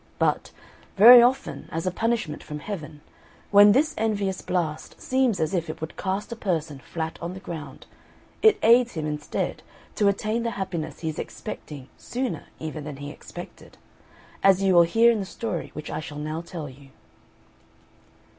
But, very often, as a punishment from Heaven, when this envious blast seems as if it would cast a person flat on the ground, it aids him instead of attain the happiness he is expecting sooner even than he expected: as you will hear in the story which I shall now tell you.